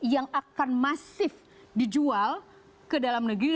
yang akan masif dijual ke dalam negeri